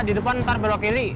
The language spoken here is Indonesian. di depan nanti beruang kiri